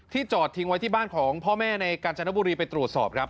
จอดทิ้งไว้ที่บ้านของพ่อแม่ในการจนบุรีไปตรวจสอบครับ